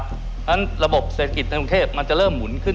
เพราะฉะนั้นระบบเศรษฐกิจในกรุงเทพมันจะเริ่มหมุนขึ้น